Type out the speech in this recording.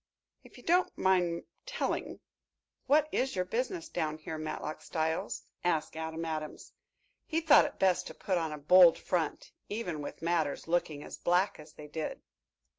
"If you don't mind telling, what is your business down here, Matlock Styles?" asked Adam Adams. He thought it best to put on a bold front, even with matters looking as black as they did.